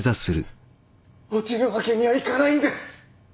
落ちるわけにはいかないんです！